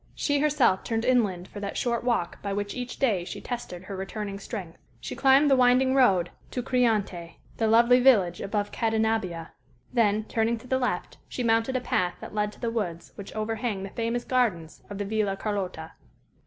She herself turned inland for that short walk by which each day she tested her returning strength. She climbed the winding road to Criante, the lovely village above Cadenabbia; then, turning to the left, she mounted a path that led to the woods which overhang the famous gardens of the Villa Carlotta.